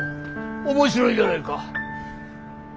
面白いじゃないか。